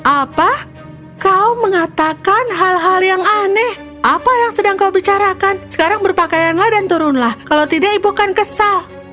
apa kau mengatakan hal hal yang aneh apa yang sedang kau bicarakan sekarang berpakaianlah dan turunlah kalau tidak ibu kan kesal